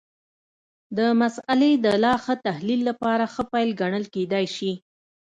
د مسألې د لا ښه تحلیل لپاره ښه پیل ګڼل کېدای شي.